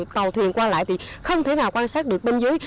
tàu thuyền qua lại thì không thể nào quan sát được bên dưới